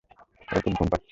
ওর খুব ঘুম পাচ্ছে।